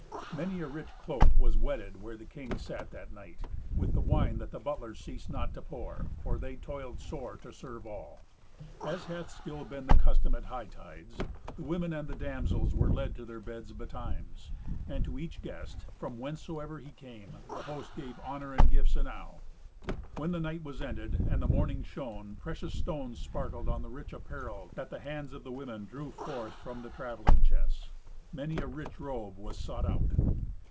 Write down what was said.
Many a rich cloak was wetted where the king sat that night, with the wine that the butlers ceased not to pour; for they toiled sore to serve all. As hath still been the custom at hightides, the women and the damsels were led to their beds betimes; and to each guest, from whencesoever he came, the host gave honour and gifts enow. When the night was ended, and the morning shone, precious stones sparkled on the rich apparel that the hands of the women drew forth from the travelling chests. Many a rich robe was sought out.